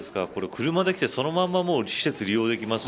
車で来てそのまま施設を利用できます